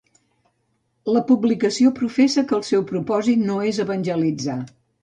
La publicació professa que el seu propòsit no és evangelitzar.